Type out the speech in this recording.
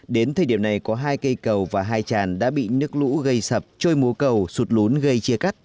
đến thời điểm này có hai cây cầu và hai tràn đã bị nước lũ gây sập trôi mố cầu sụt lún gây chia cắt